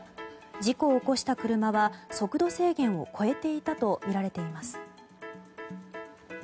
事故を起こした車は速度制限を超えていたとみられています。